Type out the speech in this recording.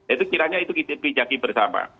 itu kiranya itu kita pijaki bersama